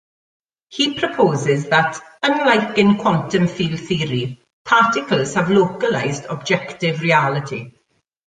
He proposes that, unlike in quantum field theory, particles have localized, objective reality.